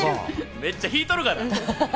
めっちゃ引いとるがな。